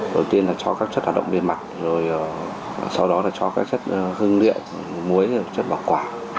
đầu tiên là cho các chất hoạt động bề mặt rồi sau đó là cho các chất hương liệu muối chất bảo quả